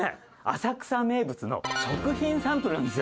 浅草名物の食品サンプルなんですよ。